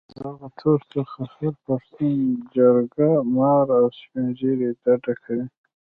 له دغه تور څخه هر پښتون جرګه مار او سپين ږيري ډډه کوي.